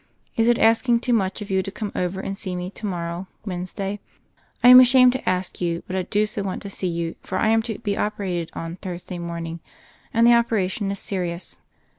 Is it asking too much of you to come over and see me to morrow (Wednesday) ? I am ashamed to ask you ; but I do so want to see you ; for I am to be operated on Thursday morning, and the operation is serious.